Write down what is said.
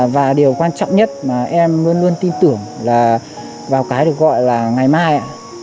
và điều quan trọng nhất mà em luôn luôn tin tưởng là vào cái được gọi là ngày mai